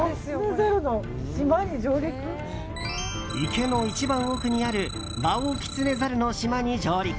池の一番奥にあるワオキツネザルの島に上陸。